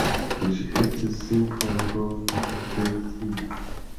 Ĝi estas simpla Go-versio.